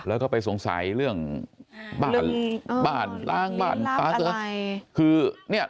แล้วก็ไปสงสัยเรื่องบ้านบ้านล้างบ้านล้างอะไรคือเนี่ย